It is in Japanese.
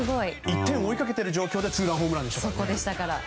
１点を追いかけている状況でツーランホームランですから。